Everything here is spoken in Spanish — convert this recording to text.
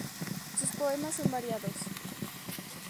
Sus poemas son variados.